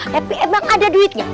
tapi emang ada duitnya